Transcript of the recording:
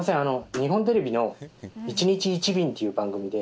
日本テレビの『１日１便』っていう番組で。